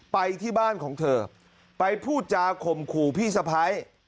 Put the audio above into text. ไปที่บ้านของเธอไปพูดจาข่มขู่พี่สะพ้าย